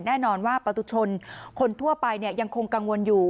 แน่นอนว่าปตุชนคนทั่วไปยังคงกังวลอยู่